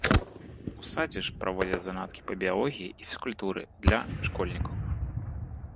У садзе ж праводзяць заняткі па біялогіі і фізкультуры для школьнікаў.